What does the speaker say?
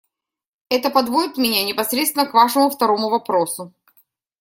Это подводит меня непосредственно к Вашему второму вопросу.